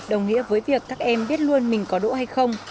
đồng nghĩa với việc các em biết luôn mình có đỗ hay không